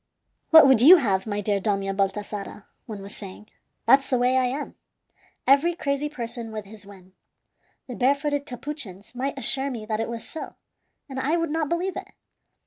"What would you have, my dear Dona Baltasara?" one was saying. "That's the way I am. Every crazy person with his whim. The barefooted Capuchins might assure me that it was so, and I would not believe it.